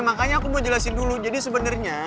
makanya aku mau jelasin dulu jadi sebenarnya